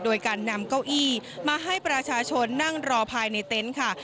โดยการนำเก้าอี้มาให้ประชาชนนั่งรอภายในเต็นต์ค่ะ